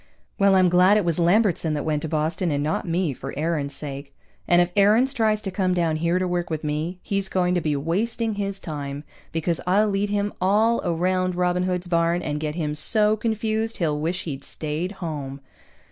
Well, I'm glad it was Lambertson that went to Boston and not me, for Aarons' sake. And if Aarons tries to come down here to work with me, he's going to be wasting his time, because I'll lead him all around Robin Hood's Barn and get him so confused he'll wish he'd stayed home.